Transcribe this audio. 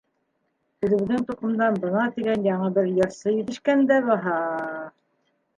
Үҙебеҙҙең тоҡомдан бына тигән яңы бер йырсы етешкән дә баһа!..